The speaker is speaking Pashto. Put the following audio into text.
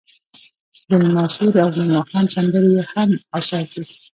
د لمر سیوری او د ماښام سندرې یې هم اثار دي.